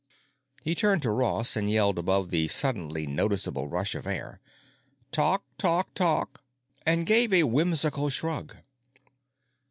He turned to Ross and yelled above the suddenly noticeable rush of air, "Talk talk talk," and gave a whimsical shrug.